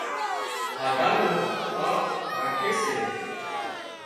کاڌا نُون ڪانڪ راکي سي